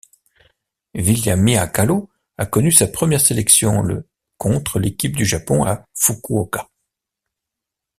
Viliami Hakalo a connu sa première sélection le contre l'équipe du Japon à Fukuoka.